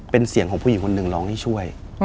เป็นเสียงของผู้หญิงคนหนึ่งร้องให้ช่วย